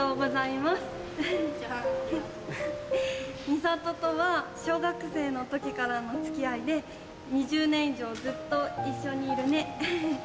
美里とは小学生の時からの付き合いで２０年以上ずっと一緒にいるね。